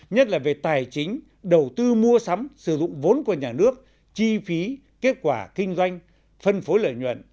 nhất là về tài chính đầu tư mua sắm sử dụng vốn của nhà nước chi phí kết quả kinh doanh phân phối lợi nhuận